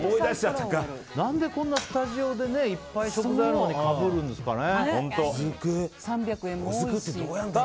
何でスタジオにいっぱい食材があるのにかぶるんですかね。